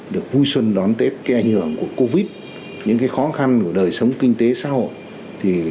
được vui xuân đón tết ảnh hưởng của covid những khó khăn của đời sống kinh tế xã hội